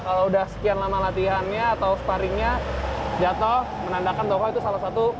kalau sudah sekian lama latihannya atau sparringnya jatuh menandakan bahwa itu salah satu